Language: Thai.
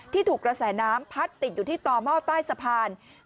ที่ถูกกระแสน้ำพัดติดอยู่ที่ตอเมา่ต้ายสะพาน